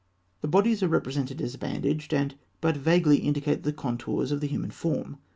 The bodies are represented as bandaged, and but vaguely indicate the contours of the human form.